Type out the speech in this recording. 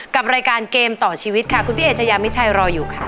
กับรายการเกมต่อชีวิตค่ะคุณพี่เอชายามิชัยรออยู่ค่ะ